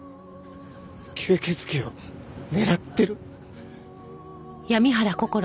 吸血鬼を狙ってる？